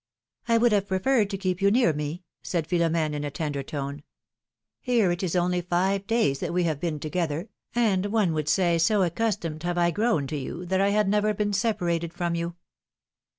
^'1 would have preferred to keep you near me," said Philom^ne, in a tender tone. Here it is only five days that we have been together, and one would say so accustomed have I grown to you, that I had never been separated from you."